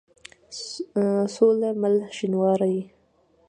سوله مل شينوارى